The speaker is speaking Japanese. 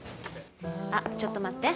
あっちょっと待って。